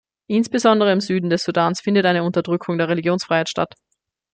Insbesondere im Süden des Sudans findet eine Unterdrückung der Religionsfreiheit statt.